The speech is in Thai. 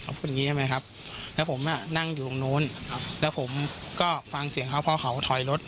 เขาพูดอย่างงี้ใช่ไหมครับแล้วผมอ่ะนั่งอยู่ตรงนู้นครับแล้วผมก็ฟังเสียงเขาเพราะเขาถอยรถ